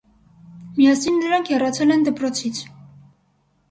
Միասին նրանք հեռացել են դպրոցից։